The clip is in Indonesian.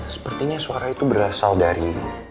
sepertinya suara itu berasal dari